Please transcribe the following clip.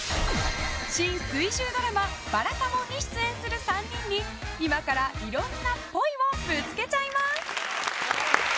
新水１０ドラマ「ばらかもん」に出演する３人に今からいろんな、っぽいをぶつけちゃいます！